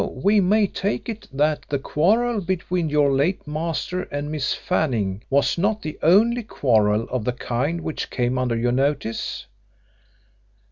"So we may take it that the quarrel between your late master and Miss Fanning was not the only quarrel of the kind which came under your notice?"